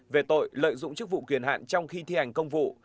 về tội lợi dụng chức vụ quyền hạn trong khi thi hành công vụ